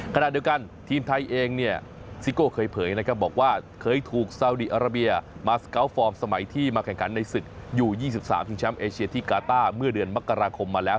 ขณะเดียวกันทีมไทยเองเนี่ยซิโก้เคยเผยนะครับบอกว่าเคยถูกซาวดีอาราเบียมาสเกาะฟอร์มสมัยที่มาแข่งขันในศึกอยู่๒๓ชิงแชมป์เอเชียที่กาต้าเมื่อเดือนมกราคมมาแล้ว